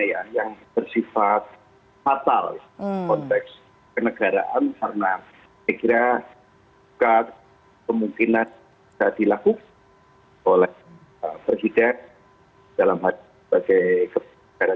ini adalah hal yang bersifat fatal dalam konteks kenegaraan karena saya kira kemungkinan tidak dilakukan oleh presiden dalam hal sebagai kebenaran